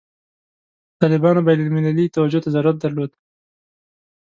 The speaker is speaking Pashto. طالبانو بین المللي توجه ته ضرورت درلود.